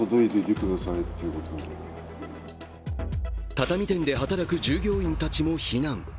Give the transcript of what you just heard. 畳店で働く従業員たちも避難。